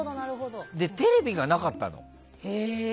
テレビがなかったの。